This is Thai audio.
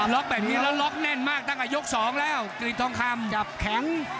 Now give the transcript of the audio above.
แล้วล็อกแน่นมากตั้งแต่ยกสองแล้วกิจท้องคำ